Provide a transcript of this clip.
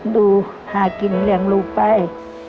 ดูหากินเลี้ยงลูกไป